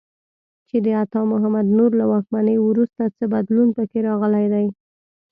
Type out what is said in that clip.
چې د عطا محمد نور له واکمنۍ وروسته څه بدلون په کې راغلی دی.